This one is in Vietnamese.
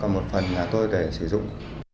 một phần nhà tôi để sử dụng